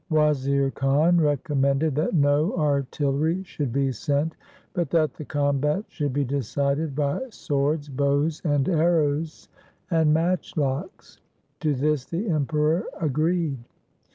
Wazir Khan recom mended that no artillery should be sent, but that the combat should be decided by swords, bows and arrows, and matchlocks. To this the Emperor agreed.